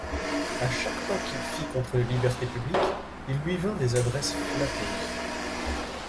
À chaque pas qu'il fit contre les libertés publiques, il lui vint des adresses flatteuses.